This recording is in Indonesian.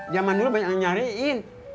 zaman dulu banyak yang nyariin